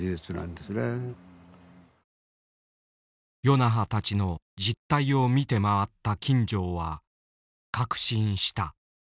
与那覇たちの実態を見て回った金城は確信した。